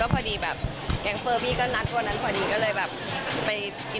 ไปดูว่าอะไร